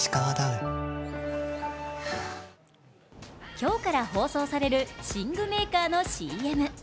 今日から放送される寝具メーカーのＣＭ。